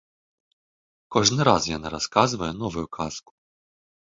Кожны раз яна расказвае новую казку.